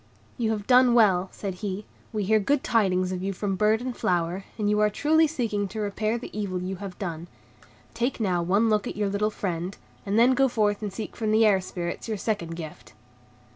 "You have done well," said he, "we hear good tidings of you from bird and flower, and you are truly seeking to repair the evil you have done. Take now one look at your little friend, and then go forth to seek from the Air Spirits your second gift."